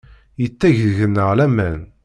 Yetteg deg-neɣ laman.